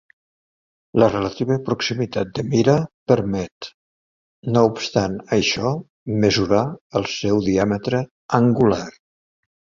La relativa proximitat de Mira permet, no obstant això, mesurar el seu diàmetre angular.